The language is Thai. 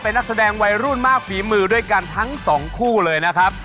เป็นนักแสดงวัยรุ่นมากฝีมือด้วยกันทั้งสองคู่เลยนะครับ